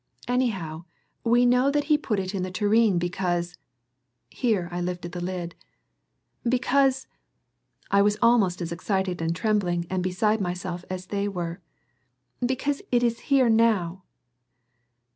Anyhow, we know that he put it in the tureen because " here I lifted the lid "because " I was almost as excited and trembling and beside myself as they were "because it is here now."